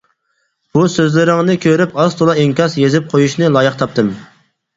بۇ سۆزلىرىڭىزنى كۆرۈپ ئاز-تولا ئىنكاس يېزىپ قويۇشنى لايىق تاپتىم.